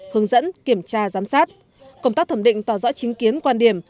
hướng dẫn kiểm tra giám sát công tác thẩm định tỏ rõ chính kiến quan điểm